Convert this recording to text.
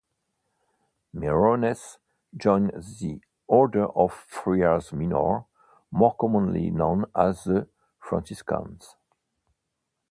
Meyronnes joined the Order of Friars Minor, more commonly known as the Franciscans.